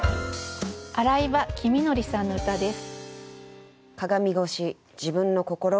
新井場公徳さんの歌です。